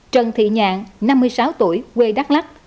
trần thị nhàn năm mươi sáu tuổi quê đắk lắc